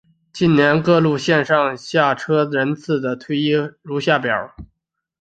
近年各路线上下车人次的推移如下表。